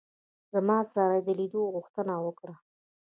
زما سره یې د لیدلو غوښتنه وکړه.